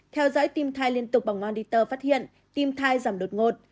theo dõi tim thai liên tục bằng moniter phát hiện tim thai giảm đột ngột